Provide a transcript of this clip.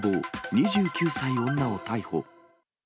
２９歳女を逮捕。